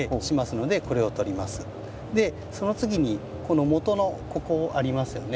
その次にこのもとのここありますよね。